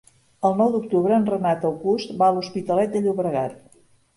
El nou d'octubre en Renat August va a l'Hospitalet de Llobregat.